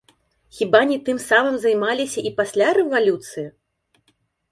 Хіба не тым самым займаліся і пасля рэвалюцыі?